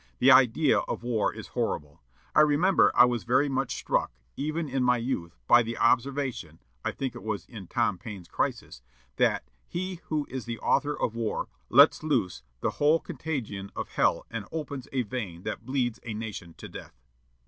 The idea of war is horrible. I remember I was very much struck, even in my youth, by the observation (I think it was in Tom Paine's 'Crisis') that 'he who is the author of war lets loose the whole contagion of hell, and opens a vein that bleeds a nation to death.'"